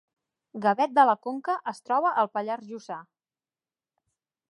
Gavet de la Conca es troba al Pallars Jussà